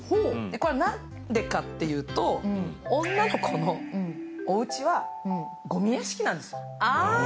これはなんでかって言うと女の子のおうちが、ゴミ屋敷なんですよ。